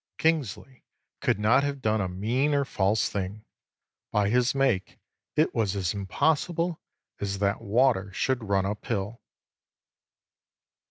Kingsley could not have done a mean or false thing: by his make it was as impossible as that water should run uphill."